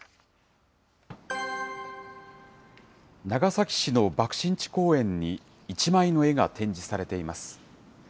長崎市の爆心地公園に、１枚の絵が展示されています。